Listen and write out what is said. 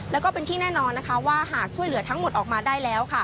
แล้วก็เป็นที่แน่นอนว่าหากช่วยเหลือทั้งหมดออกมาได้แล้ว